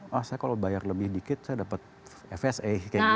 wah saya kalau bayar lebih sedikit saya dapat fsa